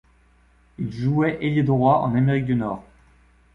Il jouait ailier droit en Amérique du Nord.